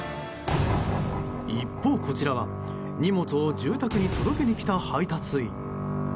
一方、こちらは荷物を住宅に届けに来た配達員。